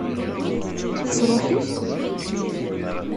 Tesṛuḥ-it?